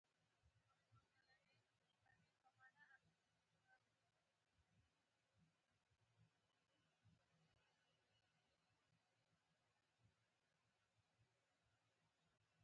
ډېری اړتیاوې به د هرې ډلې په خپله پوره کېدې.